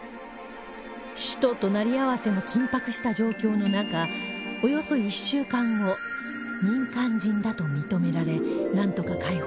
死と隣り合わせの緊迫した状況の中およそ１週間後民間人だと認められなんとか解放されます